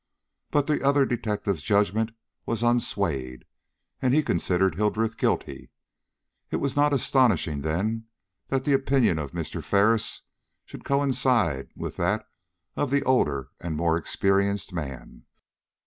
But the other detective's judgment was unswayed, and he considered Hildreth guilty. It was not astonishing, then, that the opinion of Mr. Ferris should coincide with that of the older and more experienced man.